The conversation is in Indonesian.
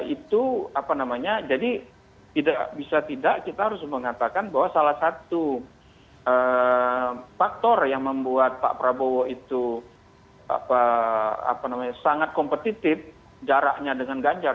itu apa namanya jadi tidak bisa tidak kita harus mengatakan bahwa salah satu faktor yang membuat pak prabowo itu sangat kompetitif jaraknya dengan ganjar